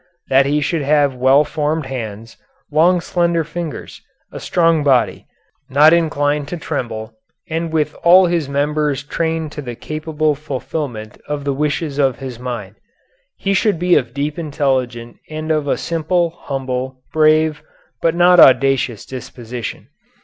That he should have well formed hands, long slender fingers, a strong body, not inclined to tremble and with all his members trained to the capable fulfilment of the wishes of his mind. He should be of deep intelligence and of a simple, humble, brave, but not audacious disposition.